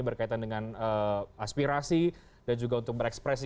berkaitan dengan aspirasi dan juga untuk berekspresi